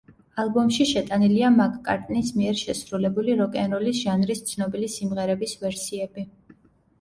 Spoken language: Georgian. ალბომში შეტანილია მაკ-კარტნის მიერ შესრულებული როკ-ენ-როლის ჟანრის ცნობილი სიმღერების ვერსიები.